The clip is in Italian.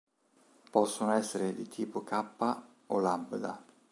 Possono essere di tipo "kappa" o "lambda".